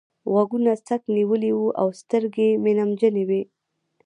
غوږونه څک نيولي وو او سترګې مې نمجنې وې.